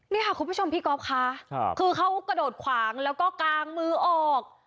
นี่ค่ะคุณผู้ชมพี่ก๊อฟค่ะคือเขากระโดดขวางแล้วก็กางมือออก